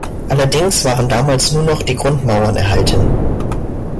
Allerdings waren damals nur noch die Grundmauern erhalten.